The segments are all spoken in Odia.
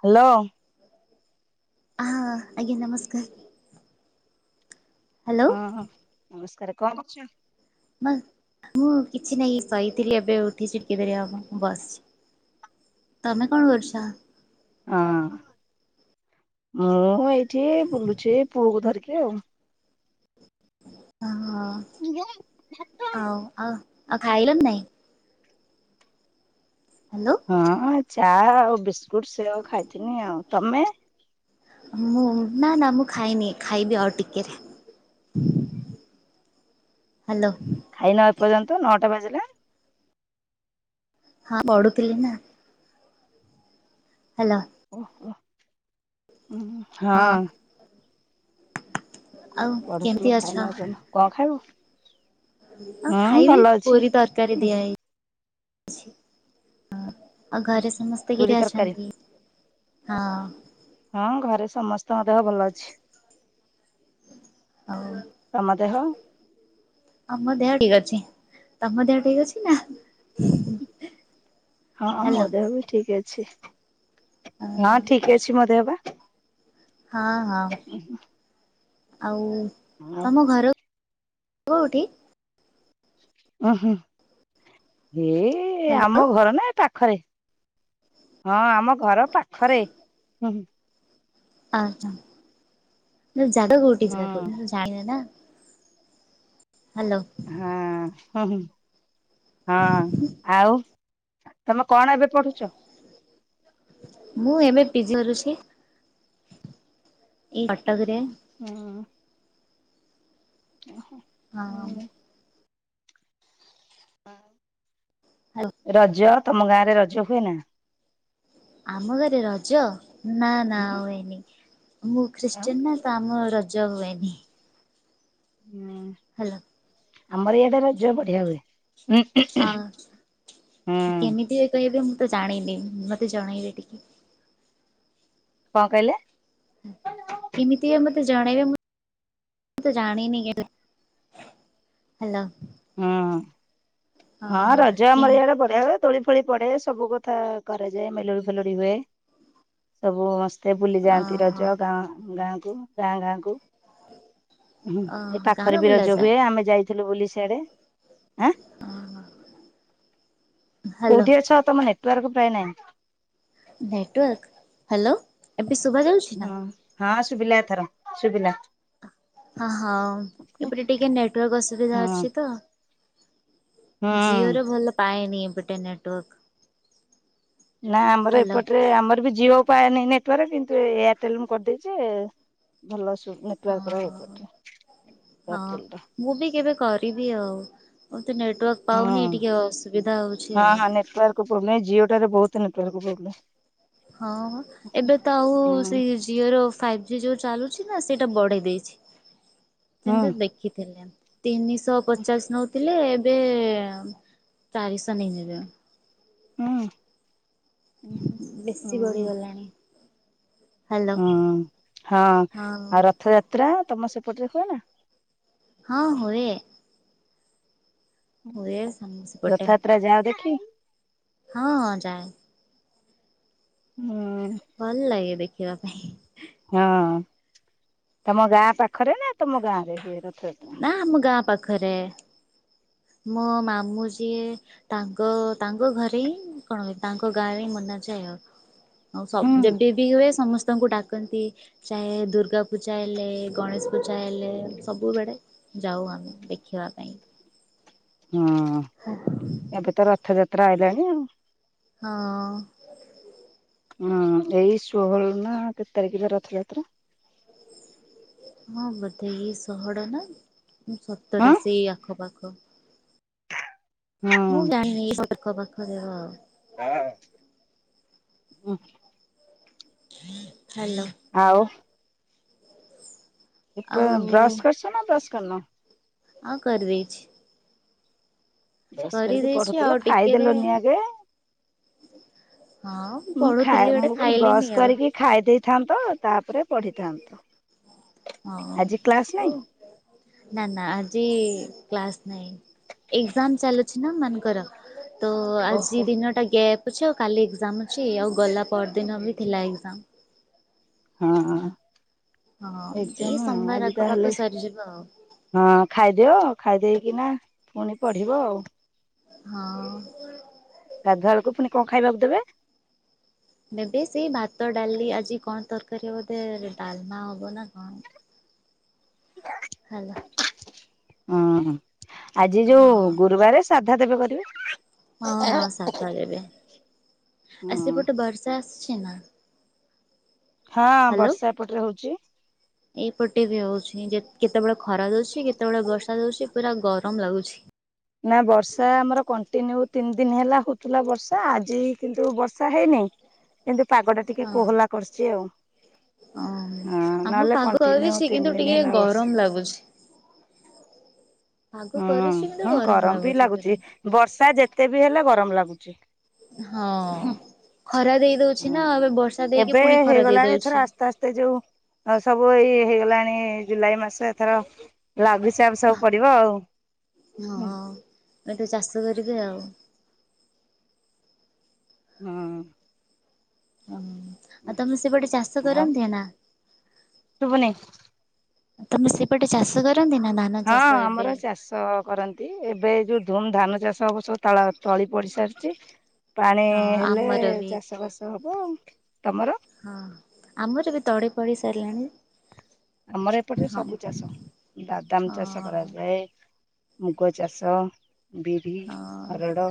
ହାଲୋ। ହଁ ଆଜ୍ଞା ନମସ୍କାର। ହାଲୋ। ଓହଁ ନମସ୍କାର କଣ କରଚୁ। ମା ମୁଁ କିଛି ନାଇଁ ଶୋଇଥିଲି ଏବେ ଉଠିଚି [unintelligible] ହବ ମୁଁ ବସ ତମେ କଣ କରୁଚ। ହଁ ମୁଁ ଏଇଠି ବୁଲୁଚି ପୁଅକୁ ଧରିକି ଆଉ। ଓହୋ ଆଉ ଆଉ ଆଉ ଖାଇଲଣି ନାଇଁ। ହାଲୋ। ହଁ ଚା ଆଉ ବିସ୍କୁଟ ସେଓ ଖାଇଥିନି ଆଉ ତମେ? ମୁଁ ନା -ନା ମୁଁ ଖାଇନି ଖାଇବି ଆଉ ଟିକେରେ। ହାଲୋ। ଖାଇନ ଏ ପର୍ଯ୍ୟନ୍ତ ନଅଟା ବାଜିଲାଣି। ହଁ ପଢୁଥିଲି ନା। ହାଲୋ। ହଁ। ଆଉ କେମିତି ପଢୁଥିଲୁ ଅଛ? ଖାଇନ ଏ ପର୍ଯ୍ୟନ୍ତ- କଣ ଖାଇବୁ? ଆଉ ହୁଁ ଖାଇବି ଭଲ ଅଛି। ପୁରୀ ତରକାରୀ ଦିଆହେଇଚି। ଆଉ ଘରେ ସମସ୍ତେ ପୁରୀ କିରି ତରକାରୀ ଅଛନ୍ତି -ହଁ। ହଁ ଘରେ ସମସ୍ତଙ୍କ ଦେହ ଭଲ ଅଛି। ଆଉ ତମ ଦେହ? ହଁ- ମ ଦେହ ଠିକ୍ ଅଛି। ତମ ଦେହ ଠିକ୍ ଅଛି ନା? ହଁ ମୋ ହ୍ୟାଲୋ ଦେହ ବି ଠିକ୍ ଅଛି ହଁ ଓହୋ ଠିକ୍ ଅଛି। ଅଛି ମୋ ଦେହ ପା। ହଁ -ହଁ ଆଉ ଆଉ ତମ ଘର କଉଠି? ଉଁ ହୁଁ- ଏଇ ହ୍ୟାଲୋ ଆମ ଘର ନା ପା ଖରେ -ହଁ ଆମ ଘର ପାଖରେ ହୁଁ। ଆଚ୍ଛା ଜାଗା ସେ କଉଠି ହଁ। [unintelligible] ଜାଣିଦେଲ -ହାଲୋ। ହଁ- ହଁହୁଁ-ହଁ -ଆଉ ତମେ କଣ ଏବେ ପଢୁଚ? ମୁଁ ଏମେ ପିଜି କରୁଚି। ଏଇ କଟକ୍ ରେ। ହଁ। [inaudible] [unintelligible] ହ୍ୟାଲୋ ରଜ ତମ ଗାଁରେ ରଜ ହୁଏ ନା? ଆମ ଘରେ ରଜ ନା- ନା ହୁଏନି ମୁଁ ଆଉ ଖ୍ରୀଷ୍ଟିୟାନ ନା ତ ଆମ ରଜ ରଜ ହୁଏନି। [unintelligible] ହାଲୋ। ଆମର ଇଆଡେ ରଜ ବଢିଆ ହୁଏ। ହୁଁ ଆମ୍- ହୁଁ କେମିତି ହୁଏ କହିବେ ମୁଁ ତ ଜାଣିନି ମତେ ଜଣେଇବେ ଟିକେ। କଣ୍ କହିଲେ? କେମିତି ହୁଏ ମତେ ଜଣେଇବେ ମୁଁ -ମୁଁ ତ ଜାଣିନି କେମିତି। ହାଲୋ। ହୁଁ- ହଁ ରଜ ଆମର କେମ ଇଆଡେ ବ [unintelligible] ଦୋଳି ଫୋଳି ପଡେ ସବୁ କଥା କରାଯାଏ ମେଲୋଡି ଫେଲୋଡି ହୁଏ ସବୁ [unintelligible] ସେ ଅ ବୁଲିଯାଆନ୍ତି ରଜ ଗାଁ -ଗାଁକୁ ଗାଁ -ଗାଁକୁ। ହୁଁ ହୁଁ- ଏ ପାଖରେ ବି ରଜ ହୁଏ ଆମେ ଯାଇଥିଲୁ ବୁଲି ସିଆଡେ। ଆଁ ହ୍ୟାଲୋ କଉଠି ଅଛ ତମ ନେଟୱାର୍କ ପ୍ରାୟ ନାହିଁ। ନେଟୱାର୍କ୍ ହାଲୋ ଏବେ ଶୁବାଯାଉଚି। ହଁ। ହଁ ଶୁବିଲା ଏଥର ଶୁବିଲା। ହଁ ହଁ। ଏପଟେ ଟିକେ ନେଟୱାର୍କ ଅସୁବିଧା ଅଛି ତ। ହୁଁ। ଜିଓର ଭଲ ପାଏନି ଏପଟେ ନେଟୱାର୍କ। ନା ଆମର ହ୍ୟାଲୋ ଏପଟରେ ଆମର ବି ଯିଓ ପାଏନି ନେ ପରେ କିନ୍ତୁ ଏୟାରଟେଲ ମୁଁ କରିଦେଇଚି ଭଲ ଶୁବୁ [unintelligible] ହଁ ହଁ ଏୟାରଟେଲ୍ ଟା। ମୁଁ ବି କେବେ କରିବି ଆଉ, ମୋର ତ ନେଟୱାର୍କ ହଁ। ପାଉନି ଟିକେ ଅସୁବିଧା ହଉଚି ଆଉ। ନାଇଁ ଯିଓ ଟାରେ ବହୁତ୍ ନେଟୱର୍କ ପ୍ରୋବ୍ଲେମ୍। ହଁ ହଁ। ଏବେ ତ ଆଉ ହୁଁ ସେଇ ଜିଓର ଫାଇଭ୍ ଜି ଯଉ ଚାଲୁଚି ନା ସେଇଟା ବଢ଼େଇ ଦେଇଚି। ସେମିତି ହୁଁ। ଦେଖିଥିଲେ, ତିନିଶହ ହୁଁ ପଚାଶ ନ ଥିଲେ ଏବେ ଚାରିଶ ନେଇଯିବେନି। ଉଁ ବେଶୀ ଉଁ। ବଢ଼ିଗଲାଣି ହ୍ୟାଲୋ ହୁଁ। ହଁ, ହଁ ଆଉ ରଥଯାତ୍ରା ତମ ସେପଟରେ ହୁଏନା? ହଁ ହୋଏ। ସେପଟେ ରଥଯାତ୍ରା ଯାଅ ଦେଖି? ହଁ ହଁ ଯାଏ। ହୁଁ। ଭଲ ଲାଗେ ଦେଖିବା ପାଇଁ। ହଁ। ତମ ଗାଁ ପାଖରେ ନା ତମ ଗାଁରେ ହୁଏ ରଥଯାତ୍ରା? ନା ଆମ ଗାଁ ପାଖରେ। ମୋ ମାମୁଁ ଯିଏ ତାଙ୍କ ତାଙ୍କ ଘରେ ହିଁ କଣ ହୁଏ, ତାଙ୍କ ଗାଁରେ ହିଁ ମନା ଯାଏ ଆଉ। ଆଉ ସ ହଁ ଯେବେବି ହୁଏ ସମସ୍ତଙ୍କୁ ଡାକନ୍ତି। ଯାଏ, ଦୁର୍ଗା ପୂଜା ହେଲେ ଗଣେଶ ପୂଜା ହେଲେ ସବୁ ବେଳେ ଯାଉ ଆମେ ଦେଖିବା ପାଇଁ। ହୁଁ। ହଁ ଏବେ ତ ରଥଯାତ୍ରା ଆଇଲାଣି ଆଉ। ହଁ। ଉଁ, ଏଇ ଷୋହଳରୁ ନା କେତେ ତାରିଖରେ ରଥଯାତ୍ରା? ହଁ, ବୋଧେ ଏଇ ଷୋହଳ ନା ସତର ହଁ ସେଇ ଆଖପାଖ। ମୁଁ ହଁ ଜାଣିନି [unintelligible] ଆଖ ପାଖରେ ହଁ। [unintelligible] ହାଲୋ। ଆଉ ଉ ପ ଆଉ ବ୍ରଶ କରିଚ ନା ବ୍ରଶ କରିନ? ହଁ କରିଦେଇଛି। ବ୍ରଶ କରିକି କରିଦେଇଛି ପଢୁଥିଲ ଆଉ ଟିକେରେ ଖାଇଦେଲନି ଆଗେ। ହଁ ମୁଁ ଖାଏ, ପଢୁଥିଲି ଗୋଟେ ମୁଁ କହିଲି ଖାଇଲିନି ବ୍ରସ ଆଉ କରିକି ଖାଇଦେଇଥାନ୍ତ ତାପରେ ପଢ଼ିଥାନ୍ତ। [unintelligible] ନା ନା ଆଜି କ୍ଲାସ ନାହିଁ। ଏଜ୍ଜାମ୍ ଚାଲୁଚି ନା ଏମାନଙ୍କର। ତ ଓହୋ ଆଜି ଦିନଟା ଗେପ୍ ଅଛି। ଆଉ କାଲି ଏଜ୍ଜାମ୍ ଅଛି। ଆଉ ଗଲା ପରଦିନ ବି ଥିଲା ଏଜ୍ଜାମ୍। ହଁ। ହଁ। ଏଇ ଏକ୍ଜାମ ସୋମବାର ଆଜି ତାହେଲେ ଆଖପାଖ ସରିଯିବ ଆଉ। ହଁ, ଖାଇଦିଅ ଖାଇଦେଇକିନା ପୁଣି ପଢିବ ଆଉ। ହଁ। ଗାଧୁଆବେଳକୁ ପୁନି କଣ ଖାଇବାକୁ ଦେବେ? ଦେବେ ସେଇ ଭାତ ଡାଲି ଆଜି କଣ ତରକାରୀ ହବ ବୋଧେ ଡାଲମା ହବ ନା କଣ। [inaudible] ହାଲୋ। ହଁ ହଁ ଆଜି ଯୋଉ ହଁ। ଗୁରୁବାରେ ସାଧା ଦେବେ କରିବେ। ହଁ ହଁ ସାଧା ଦେବେ, ଆ ହଁ ସେପଟେ ବର୍ଷା ଆସୁଛି ନା? ହଁ ହ୍ୟାଲୋ ବର୍ଷା ଏପଟରେ ହଉଛି। ଏଇପଟେ ବି ହଉଛି ଜେ କେତ୍ କେତେବେଳେ ଖରା ଦଉଛି କେତେବେଳେ ବର୍ଷା ଦଉଛି ପୁରା ଗରମ ଲାଗୁଛି। ନା ବର୍ଷା ଆମର କଣ୍ଟିନ୍ୟୁ ତିନି ଦିନ ହେଲା ହଉଥିଲା ବର୍ଷା ଆଜି କିନ୍ତୁ ବର୍ଷା ହେଇନି। କିନ୍ତୁ ପାଗଟା ଟିକେ ହଁ କୋହଲା କରିଛି ଆଉ। ହଁ, ଆମର ନହେଲେ ପାଗ କଣ୍ଟିନ୍ୟୁ କରିଛି କିନ୍ତୁ ତିନି ଦିନ ଟିକେ ହେଲା ବର୍ଷ ଗରମ ଲାଗୁଛି। ପାଗ ହୁଁ କରିଛି କିନ୍ତୁ ହଁ ଗରମ ବି ପୁରା ଲାଗୁଛି, ବର୍ଷା ଯେତେ ବି ହେଲେ ଗରମ ଲାଗୁଛି। ହଁ ଖରା ଦେଇ ଦଉଛି ହୁଁ ନା ଏବେ ବର୍ଷା ଦେଇକି ଏବେ ପୁଣି ଖରା ହେଇଗଲାଣି ଏଥର ଦେଇଦଉଛି। ଆସ୍ତେ ଆସ୍ତେ ଯୋଉ ସବୁ ଏଇ ହେଇଗଲାଣି ଜୁଲାଇ ମାସ ଏଥର ଲାଗୁଚି ଆବ୍ ସବ୍ ପଡିବ ଆଉ। ହୁଁ ହଁ, ଏଠୁ ଚାଷ କରିବେ ଆଉ। ହଁ। ହଁ ଆଉ ତମେ ସେପଟେ ଚାଷ ଆଉ କରନ୍ତି ନା? ଶୁଭୁନି। ତମେ ସେପଟେ ଚାଷ କରନ୍ତିନା ନା ହଁ ଚାଷ ଆମର ଏବେ? ଚାଷ କରନ୍ ନ୍ତି ଏବେ ଯୋଉ ଧୁମ ଧାନ ଚାଷ ହବ ସବୁ ତାଳା ତଳି ପଡି ସାରିଛି ପାଣି ହଁ ହେଲେ ଆମର ବି ଚାଷ ବାସ ହବ ଆଉ ତମର? ହଁ ଆମର ବି ତଳି ପଡି ସାରିଲାଣି ଆମର ଏପଟରେ ହଁ ସବୁ ଚାଷ ବାଦାମ ଚାଷ ହଁ କରାଯାଏ। ମୁଗ ଚାଷ ବିରି ହଁ ହରଡ଼।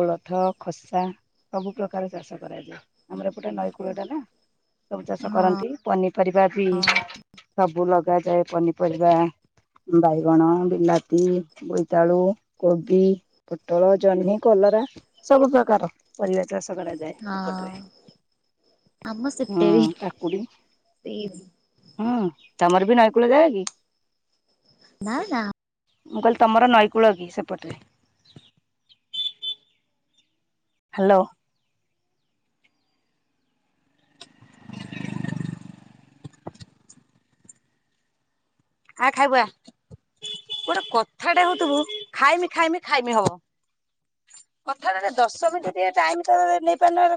କୋଳଥ ଖସା ସବୁ ପ୍ରକାର ଚାଷ କରାଯାଏ ଆମର ଏପଟର ନଈ କୂଳଟା ନା ସବୁ ଚାଷ ହଁ କରନ୍ତି ପନିପରିବା ବି ସବୁ ଲଗାଯାଏ ପନିପରିବା ବାଇଗଣ ବିଲାତି ବୋଇତାଳୁ କୋବି ପୋଟଳ ଜହ୍ନି କଲରା ସବୁ ପ୍ରକାର ପରିବା ଚାଷ କରାଯାଏ। [unintelligible] ହଁ ଏପଟରେ ଆମ ସେପଟେ ହୁଁ କାକୁଡି [unintelligible] ହଁ ତମର ବି ନଈକୂଳ ଯାଗା କି? ନା ନା ମୁଁ କହିଲି ତମର ନଈକୂଳ କି ସେପଟରେ? ହ୍ୟାଲୋ [inaudible] ଆ ଖାଇବୁ ଆ ଗୋଟେ କଥାଟେ ହଉଥିବୁ ଖାଇମି ଖାଇମି ଖାଇମି ହବ କଥାଟା ଦଶ ମିନିଟ ଟିକେ ଟାଇମ ତ ନେଇ ପାରୁନ